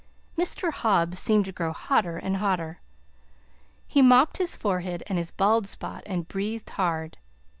Mr. Hobbs seemed to grow hotter and hotter. He mopped his forehead and his bald spot and breathed hard.